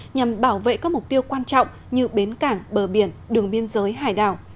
nhằm bảo vệ các mục tiêu quan trọng như bến cảng bờ biển đường biên giới hải đảo